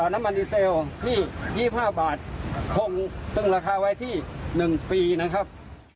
น้ำมันดีเซลที่๒๕บาทคงตึงราคาไว้ที่๑ปีนะครับ